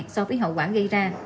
so với hậu quả gây ra